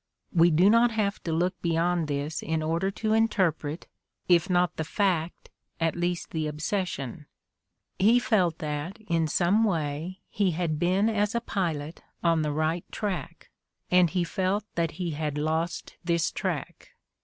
We do not have to look beyond this in order to interpret, if not the fact, at least the obsession. He felt that, in some way, he had been as a pilot on the right track ; and he felt that he had lost this track.